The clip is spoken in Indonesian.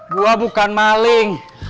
gue bukan malik